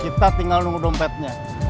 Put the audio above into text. kita tinggal nunggu dompetnya